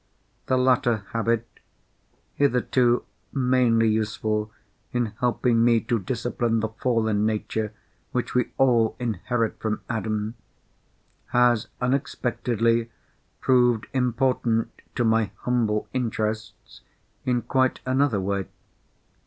The latter habit—hitherto mainly useful in helping me to discipline the fallen nature which we all inherit from Adam—has unexpectedly proved important to my humble interests in quite another way.